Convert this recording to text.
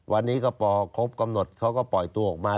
วันนี้ก็พอครบกำหนดเขาก็ปล่อยตัวออกมา